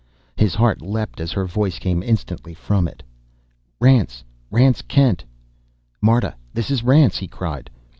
His heart leapt as her voice came instantly from it: "Rance! Rance Kent " "Marta this is Rance!" he cried.